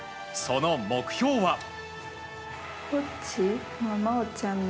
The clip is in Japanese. その目標は。